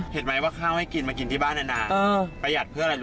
เห็นไหมว่าข้าวให้กินมากินที่บ้านนาน